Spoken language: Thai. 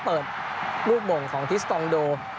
เปิดรูปมงค์ของทิสกรองโด